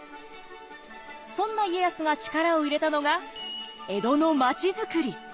そんな家康が力を入れたのが江戸の町づくり！